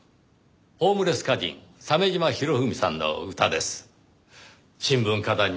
ホームレス歌人鮫島博文さんの歌です。